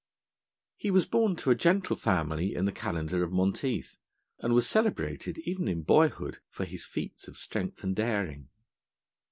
He was born to a gentle family in the Calendar of Monteith, and was celebrated even in boyhood for his feats of strength and daring.